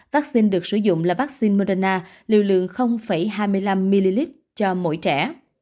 vaccine được sử dụng là vaccine moderna liều lượng hai mươi năm ml cho mỗi trẻ